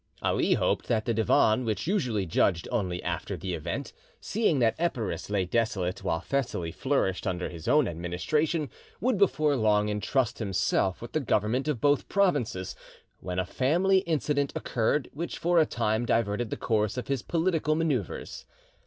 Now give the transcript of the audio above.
Ali hoped that the Divan, which usually judged only after the event, seeing that Epirus lay desolate, while Thessaly flourished under his own administration, would, before long, entrust himself with the government of both provinces, when a family incident occurred, which for a time diverted the course of his political manoeuvres.